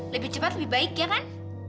lebih cepat lebih baik ya kan